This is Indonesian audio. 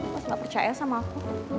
pas gak percaya sama aku